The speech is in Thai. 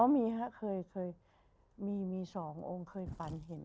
มีครับเคยมี๒องค์เคยฝันเห็น